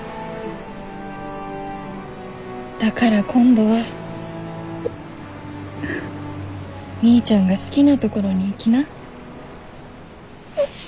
だから今度はみーちゃんが好きなところに行きな。